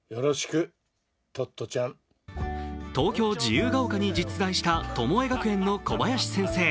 東京・自由が丘に実在したトモエ学園の小林先生。